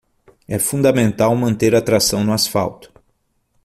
É fundamental manter a tração no asfalto.